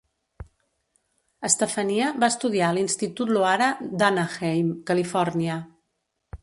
Estefania va estudiar a l'institut Loara d'Anaheim, Califòrnia.